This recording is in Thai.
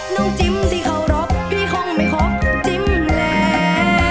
น้องจิ้มที่เขารบพี่คงไม่คบจิ้มแล้ว